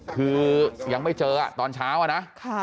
คือยังไม่เจอตอนเช้าอะนะ